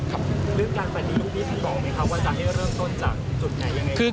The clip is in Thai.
เรื่องการปฏิรูปนี้ท่านบอกไหมครับว่าจะให้เริ่มต้นจากจุดไหนยังไง